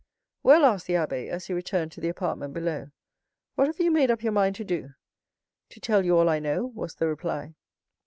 "Well," asked the abbé, as he returned to the apartment below, "what have you made up your mind to do?" "To tell you all I know," was the reply.